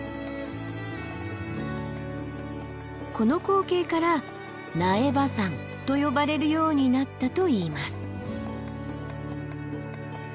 この光景から苗場山と呼ばれるようになったといいます。